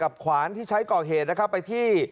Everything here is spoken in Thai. กับขวานที่ใช้กอกเหตุนะคะไปที่